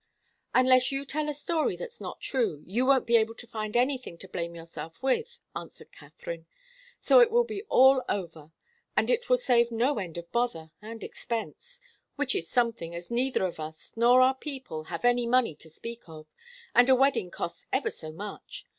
"Unless you tell a story that's not true, you won't be able to find anything to blame yourself with," answered Katharine. "So it will be all over, and it will save no end of bother and expense. Which is something, as neither of us, nor our people, have any money to speak of, and a wedding costs ever so much.